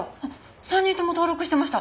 ３人とも登録してました。